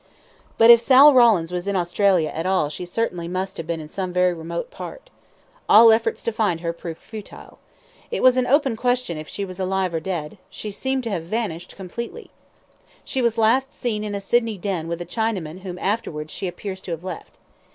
But if Sal Rawlins was in Australia at all she certainly must have been in some very remote part. All efforts to find her proved futile. It was an open question if she was alive or dead; she seemed to have vanished completely. She was last seen in a Sydney den with a Chinaman whom afterwards she appears to have left.